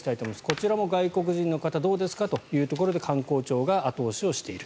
こちらも外国人の方どうですかということで観光庁が後押しをしている。